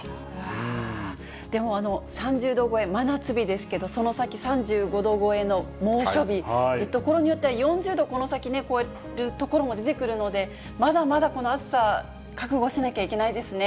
でも３０度超え、真夏日ですけれども、その先３５度超えの猛暑日、所によっては４０度、この先ね、超える所も出てくるので、まだまだこの暑さ、覚悟しなきゃいけないですね。